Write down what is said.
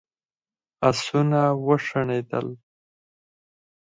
آسونه وشڼېدل.